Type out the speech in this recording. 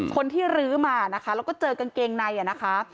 คนที่รื้อมานะคะแล้วก็เจอกางเกงในอ่ะนะคะ